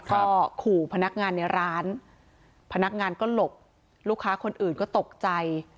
ก็ขู่พนักงานในร้านพนักงานก็หลบลูกค้าคนอื่นก็ตกใจ